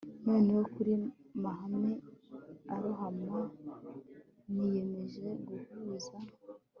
noneho kuri mahame arohama, niyemeje guhuza